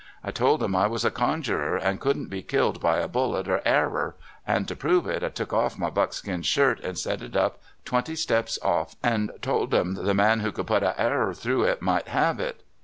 I told 'em I was a conjurer, and could n't be killed by a bullet or arrer, and to pr75ve it I took off my buckskin shirt and set it up twenty steps off, and told 'em the man who could put a arrer through it might have it.